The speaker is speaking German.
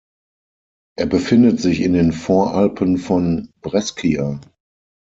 Er befindet sich in den Voralpen von Brescia.